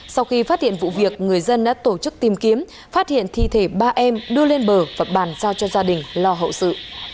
sau khi phát hiện vụ việc người dân đã tổ chức tìm kiếm phát hiện thi thể ba em đưa lên bờ và bàn giao cho gia đình lo hậu sự